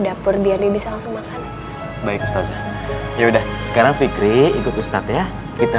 dapur biar bisa langsung makan baik baik sudah sekarang fikri ikut ustadz ya kita